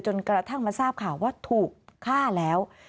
กระทั่งมาทราบข่าวว่าถูกฆ่าแล้ว